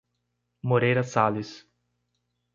Moreira Sales